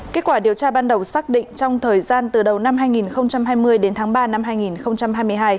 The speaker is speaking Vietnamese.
kết quả điều tra ban đầu xác định trong thời gian từ đầu năm hai nghìn hai mươi đến tháng ba năm hai nghìn hai mươi hai